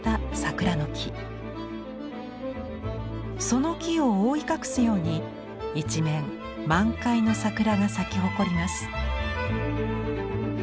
その木を覆い隠すように一面満開の桜が咲き誇ります。